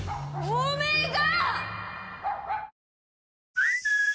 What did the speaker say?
おめえが！